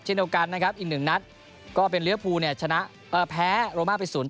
เช่นเดียวกันนะครับอีกหนึ่งนัดก็เป็นลีเวอร์ภูลแพ้โรม่าไป๐๑